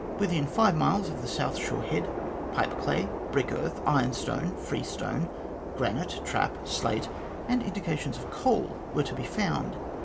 Within five miles of the South Shore Head, pipe clay, brick earth, ironstone, freestone, granite, trap, slate, and indications of coal were to be found.